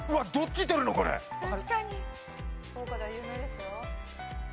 福岡では有名ですよ。